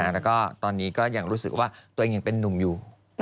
แล้วก็ตอนนี้ก็ยังรู้สึกว่าตัวเองยังเป็นนุ่มอยู่